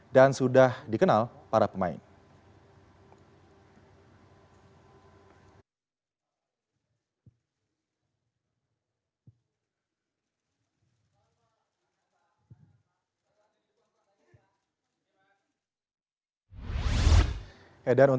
dan sudah dikenal para pemain